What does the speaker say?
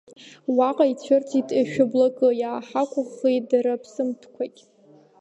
Уаҟа ицәырҵит шәы блакы, иааҳакәаӷӷеит дара аԥсымҭәқәагь…